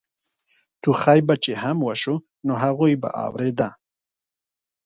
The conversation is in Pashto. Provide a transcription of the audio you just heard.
ټوخی به چې هم وشو نو هغوی به اورېده.